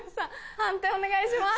判定お願いします。